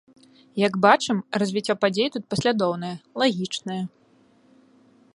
Як бачым, развіццё падзей тут паслядоўнае, лагічнае.